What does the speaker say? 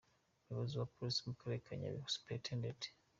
Umuyobozi wa Polisi mu karere ka Nyabihu, Supt.